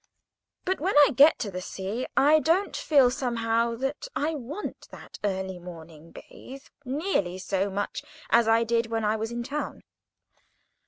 But when I get to the sea I don't feel somehow that I want that early morning bathe nearly so much as I did when I was in town.